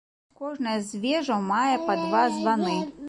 Кожная з вежаў мае па два званы.